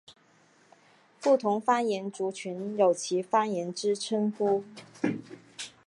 不同方言族群有其方言之称呼。